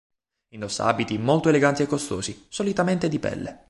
Indossa abiti molto eleganti e costosi, solitamente di pelle.